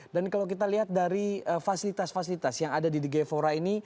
dan kalau kita lihat dari fasilitas fasilitas yang ada di the gevora ini